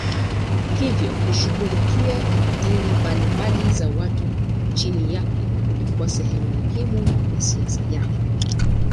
Hivyo kushughulikia dini mbalimbali za watu chini yake kulikuwa sehemu muhimu ya siasa yake.